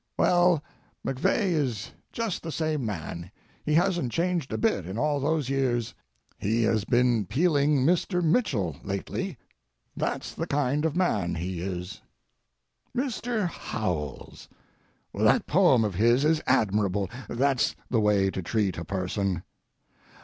Well, MacVeagh is just the same man; he hasn't changed a bit in all those years; he has been peeling Mr. Mitchell lately. That's the kind of man he is. Mr. Howells—that poem of his is admirable; that's the way to treat a person.